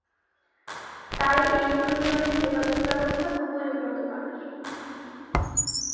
তাই এই ইউনিয়নের যোগাযোগ ব্যবস্থা খুবই উন্নত মানের।